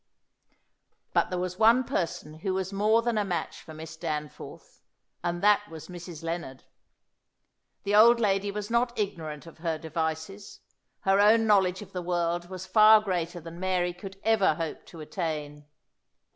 But there was one person who was more than a match for Miss Danforth, and that was Mrs. Lennard. The old lady was not ignorant of her devices; her own knowledge of the world was far greater than Mary could ever hope to attain.